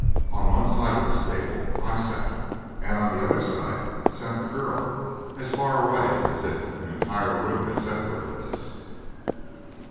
On one side of this table I sat and on the other side sat the girl, as far away as if an entire room had separated us.